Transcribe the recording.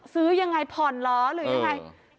ซื้อยังไงผ่อนเหรอหรือยังไง